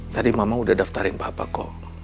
tadi mama udah daftarin bapak kok